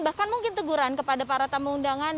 bahkan mungkin teguran kepada para tamu undangan